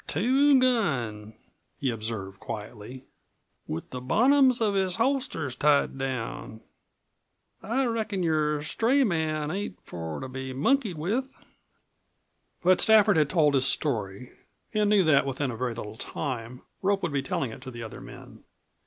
"Two gun," he observed quietly; "with the bottoms of his holsters tied down. I reckon your stray man ain't for to be monkeyed with." But Stafford had told his story and knew that within a very little time Rope would be telling it to the other men.